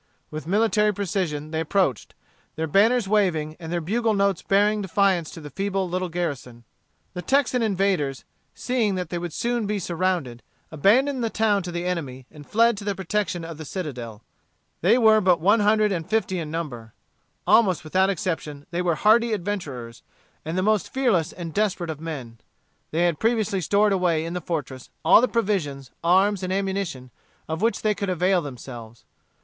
With military precision they approached, their banners waving, and their bugle notes bearing defiance to the feeble little garrison. The Texan invaders, seeing that they would soon be surrounded, abandoned the town to the enemy, and fled to the protection of the citadel. They were but one hundred and fifty in number. Almost without exception they were hardy adventurers, and the most fearless and desperate of men. They had previously stored away in the fortress all the provisions, arms, and ammunition, of which they could avail themselves.